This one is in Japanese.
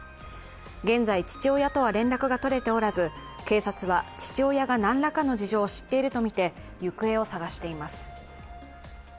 現在、父親とは連絡が取れておらず警察は、父親がなんらかの事情を知っているとみて行方を捜しています。